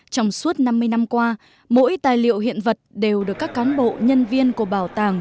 trong suốt năm mươi năm qua mỗi tài liệu hiện vật đều được các cán bộ nhân viên của bảo tàng